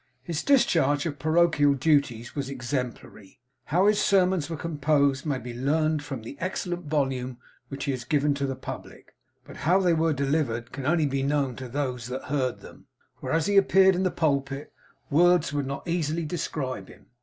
His discharge of parochial duties was exemplary. How his Sermons were composed, may be learned from the excellent volume which he has given to the publick; but how they were delivered, can be known only to those that heard them; for as he appeared in the pulpit, words will not easily describe him.